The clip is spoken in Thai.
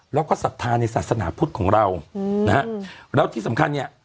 แล้วก็ศรัทธาในศาสนาพุทธของเราอืมนะฮะแล้วที่สำคัญเนี่ย